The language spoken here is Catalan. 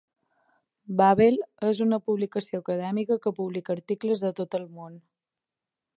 Babel és una publicació acadèmica que publica articles de tot el món.